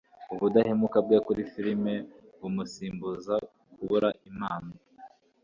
ubudahemuka bwe kuri firime bumusimbuza kubura impano